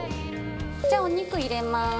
じゃあお肉入れます！